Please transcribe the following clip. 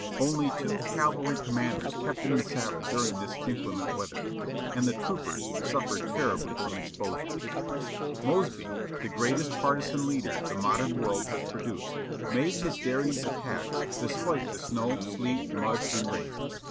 Only two cavalry conmianders kept in the saddle during this inclement weather, and the troopers suffered terribly from ex posure. Mosby, the greatest partisan leader the modern world has produced, made his daring attacks despite the snow, sleet, mud and rain.